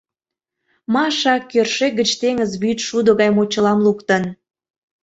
Маша кӧршӧк гыч теҥыз вӱд шудо гай мочылам луктын.